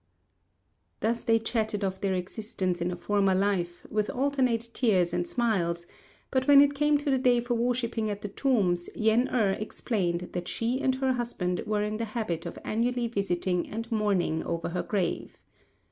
Thus they chatted of their existence in a former life, with alternate tears and smiles; but when it came to the day for worshipping at the tombs, Yen êrh explained that she and her husband were in the habit of annually visiting and mourning over her grave.